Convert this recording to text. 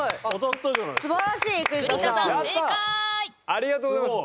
ありがとうございます。